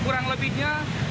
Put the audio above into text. itu kurang lebihnya